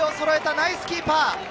ナイスキーパー。